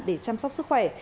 để chăm sóc sức khỏe